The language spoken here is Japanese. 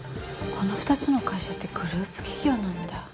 この２つの会社ってグループ企業なんだ。